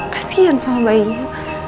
kasian sama bayinya